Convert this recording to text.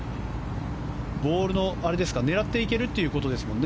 狙っていけるということですもんね